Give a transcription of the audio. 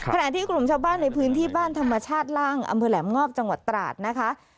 ขณะที่กลุ่มชาวบ้านในพื้นที่บ้านธรรมชาติล่างอำเภอแหลมงอบจังหวัดตราดนะคะ